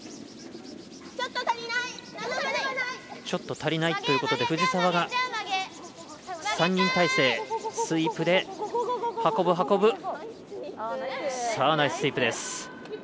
ちょっと足りないということで３人態勢のスイープで運ぶ、運ぶ。